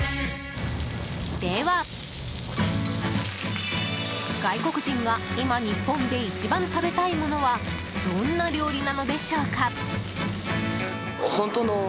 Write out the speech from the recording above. では、外国人が今、日本で一番食べたいものはどんな料理なのでしょうか？